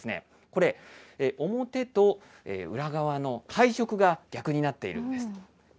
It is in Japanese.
これ、表と裏側の配色が逆になっているんです。